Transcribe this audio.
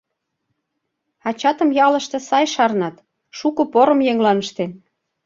Ачатым ялыште сай шарнат, шуко порым еҥлан ыштен.